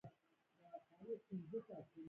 د پټلۍ دغه کرښه د کروندو په منځ کې سیده.